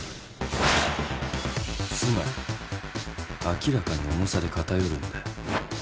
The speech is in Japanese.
つまり明らかに重さで片寄るんだよ。